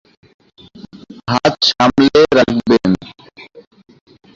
হাত সামলে রাখবেন।